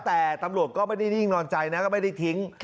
แต่ตำรวจก็ไม่ได้นิ่งนอนใจนะก็ไม่ได้ทิ้ง